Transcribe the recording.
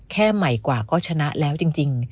ใหม่กว่าก็ชนะแล้วจริง